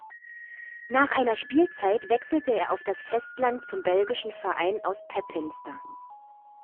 Nach einer Spielzeit wechselte er auf das Festland zum belgischen Verein aus Pepinster.